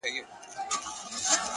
پر سلطان باندي دعاوي اورېدلي٫